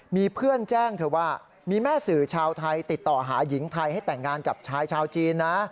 มีแม่สื่อชาวไทยติดต่อหาหญิงไทยให้แต่งงานกับชายชาวจีนนะ